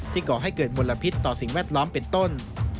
ก่อให้เกิดมลพิษต่อสิ่งแวดล้อมเป็นต้น